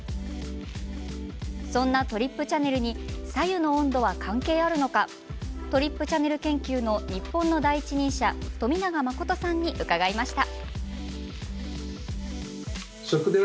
そんなＴＲＰチャネルに白湯の温度は関係あるのかＴＲＰチャネル研究の日本の第一人者富永真琴さんに伺いました。